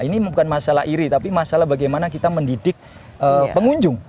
ini bukan masalah iri tapi masalah bagaimana kita mendidik pengunjung